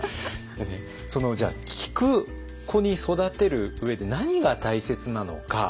その聞く子に育てる上で何が大切なのか。